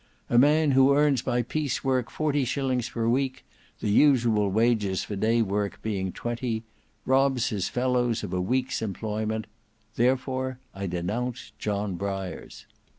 A man who earns by piece work forty shillings per week, the usual wages for day work being twenty, robs his fellows of a week's employment; therefore I denounce John Briars."